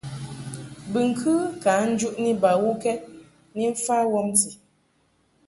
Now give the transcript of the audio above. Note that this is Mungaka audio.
Bɨŋkɨ ka njuʼni bawukɛd ni mfa wɔmti.